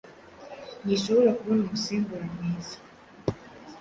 ntishobora kubona umusimbura mwiza